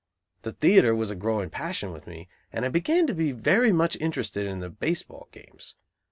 The theatre was a growing passion with me and I began to be very much interested in the baseball games.